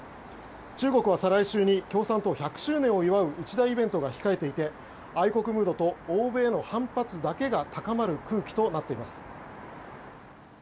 中国は再来週に共産党１００周年を祝う一大イベントが控えていて愛国ムードと欧米の反発だけが高まる空気となっています。